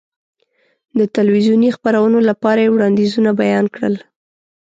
د تلویزیوني خپرونو لپاره یې وړاندیزونه بیان کړل.